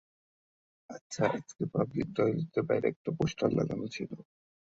আচ্ছা, আজকে পাবলিক টয়লেটের বাইরে একটা পোস্টার লাগানো ছিল।